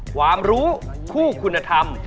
ความรู้คู่คุณธรรม